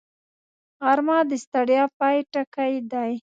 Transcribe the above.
غرمه د ستړیا پای ټکی دی